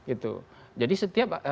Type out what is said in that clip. itu jadi setiap